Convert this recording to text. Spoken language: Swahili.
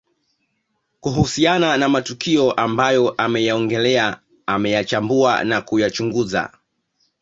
Kuhusiana na matukio ambayo ameyaongelea ameyachambua na kuyachunguza